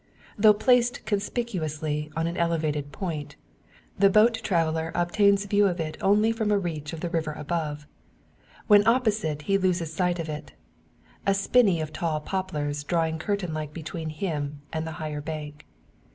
Though placed conspicuously on an elevated point, the boat traveller obtains view of it only from a reach of the river above. When opposite he loses sight of it; a spinney of tall poplars drawing curtain like between him and the higher bank.